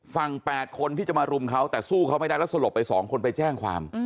๘คนที่จะมารุมเขาแต่สู้เขาไม่ได้แล้วสลบไป๒คนไปแจ้งความ